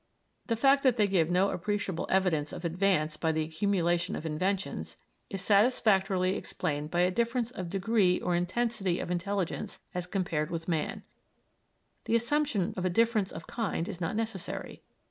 The fact that they give no appreciable evidence of advance by the accumulation of inventions, is satisfactorily explained by a difference of degree or intensity of intelligence as compared with man; the assumption of a difference of kind is not necessary.